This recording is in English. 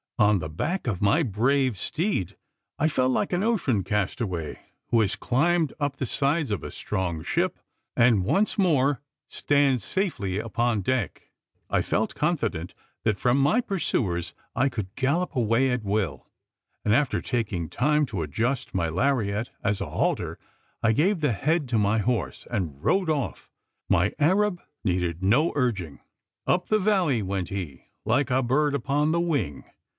On the back of my brave steed, I felt like an ocean cast away, who has climbed up the sides of a strong ship, and once more stands safely upon deck! I felt confident that from my pursuers, I could gallop away at will; and, after taking time to adjust my laryette as a halter, I gave the head to my horse, and rode off. My Arab needed no urging. Up the valley went he, like a bird upon the wing.